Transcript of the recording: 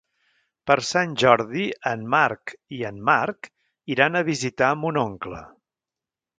Per Sant Jordi en Marc i en Marc iran a visitar mon oncle.